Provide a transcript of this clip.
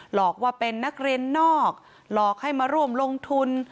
หลอกว่าเป็นนักเรียนนอกหลอกให้มาร่วมลงทุน